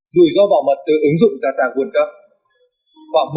rủi ro bảo mật từ ứng dụng data world cup